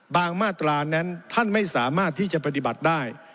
มาตรานั้นท่านไม่สามารถที่จะปฏิบัติได้